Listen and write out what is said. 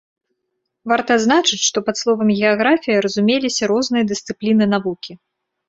Варта адзначыць, што пад словам геаграфія разумеліся розныя дысцыпліны навукі.